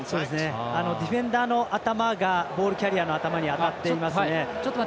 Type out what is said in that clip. ディフェンダーの頭がボールキャリアの頭に当たっていますね。